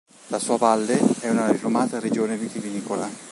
La sua valle è una rinomata regione vitivinicola.